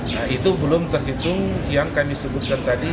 nah itu belum terhitung yang kami sebutkan tadi